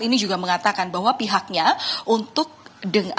ini juga mengatakan bahwa pihaknya untuk sampai dengan saat ini